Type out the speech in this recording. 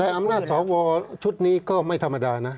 แต่อำนาจสวชุดนี้ก็ไม่ธรรมดานะ